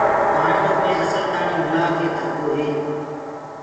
پآڻيو مي اسل تآڻي مِلآ ڪي ڌردو هي۔